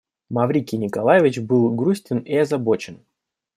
Маврикий Николаевич был грустен и озабочен.